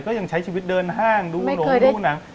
ยังใช้ชีวิตเดินห้างดูหนงดูหนัง